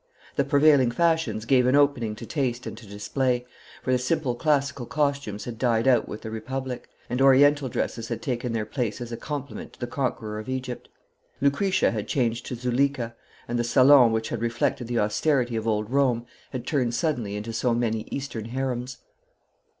The prevailing fashions gave an opening to taste and to display, for the simple classical costumes had died out with the Republic, and Oriental dresses had taken their place as a compliment to the Conqueror of Egypt. Lucretia had changed to Zuleika, and the salons which had reflected the austerity of old Rome had turned suddenly into so many Eastern harems.